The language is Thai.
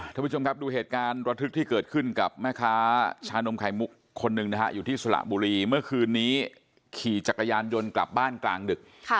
ท่านผู้ชมครับดูเหตุการณ์ระทึกที่เกิดขึ้นกับแม่ค้าชานมไข่มุกคนหนึ่งนะฮะอยู่ที่สระบุรีเมื่อคืนนี้ขี่จักรยานยนต์กลับบ้านกลางดึก